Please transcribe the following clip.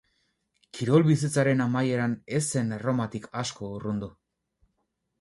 Kirol bizitzaren amaieran ez zen Erromatik asko urrundu.